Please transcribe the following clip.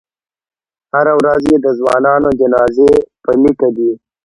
هره ورځ یې د ځوانانو جنازې په لیکه دي.